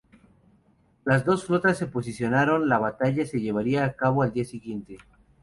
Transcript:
Las dos flotas se posicionaron, la batalla se llevaría a cabo al día siguiente.